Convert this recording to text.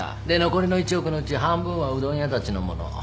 で残りの１億のうち半分はうどん屋たちのもの。